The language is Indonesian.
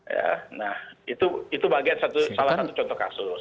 ya nah itu bagian salah satu contoh kasus